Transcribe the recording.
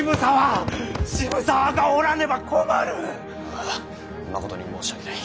あぁまことに申し訳ない。